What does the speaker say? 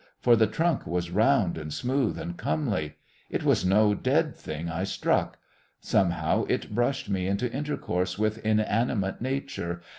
For the trunk was round and smooth and comely. It was no dead thing I struck. Somehow it brushed me into intercourse with inanimate Nature.